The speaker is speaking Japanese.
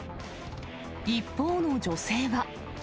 一方の女性は。